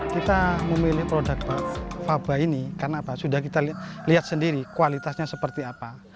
kita memilih produk faba ini karena apa sudah kita lihat sendiri kualitasnya seperti apa